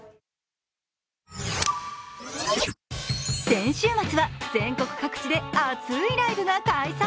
先週末は全国各地で熱いライブが開催。